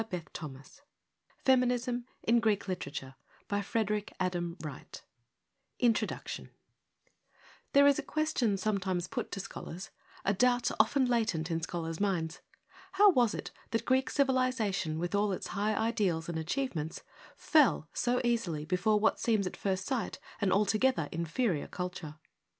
Aristotle page i 7 16 28 43 57 7o 86 "3 l 3S 150 168 183 202 Introduction There is a question sometimes put to scholars, a doubt often latent in scholars' minds — How was it that Greek civilisation, with all its high ideals and achievements, fell so easily before what seems at first sight an altogether inferior culture?